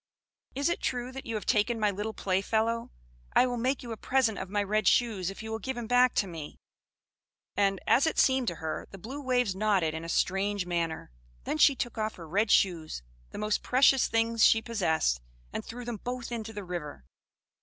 "Is it true that you have taken my little playfellow? I will make you a present of my red shoes, if you will give him back to me." And, as it seemed to her, the blue waves nodded in a strange manner; then she took off her red shoes, the most precious things she possessed, and threw them both into the river.